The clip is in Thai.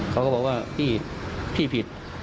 เขาก็บอกว่าพี่ผิด